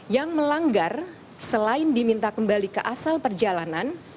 yang melanggar selain diminta kembali ke asal perjalanan